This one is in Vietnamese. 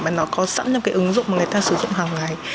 mà nó có sẵn trong cái ứng dụng mà người ta sử dụng hàng ngày